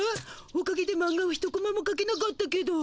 おかげでマンガは一コマもかけなかったけど。